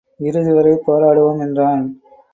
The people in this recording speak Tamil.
இறுதிவரை போராடுவோம் என்றான்.